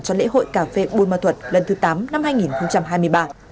cho lễ hội cà phê bùn mơ thuật lần thứ tám năm hai nghìn hai mươi ba